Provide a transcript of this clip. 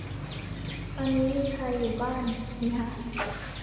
ตอนนี้มีใครอยู่บ้านมิฮะ